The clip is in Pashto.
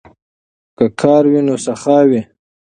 که کار وي نو سخا وي.